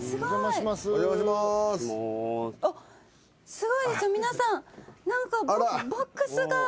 すごいですよ皆さん何かボックスが。